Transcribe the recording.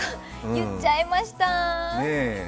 言っちゃいました。